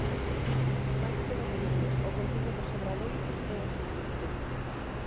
Máis polo miúdo, o contido dos obradoiros é o seguinte: